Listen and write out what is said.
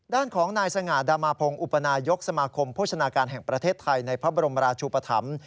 ด้านของนายสง่าดามาพงศ์อุปนายกสมาคมโภชนาการแห่งประเทศไทยในพระบรมราชุปธรรม